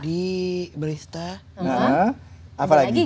di barista apa lagi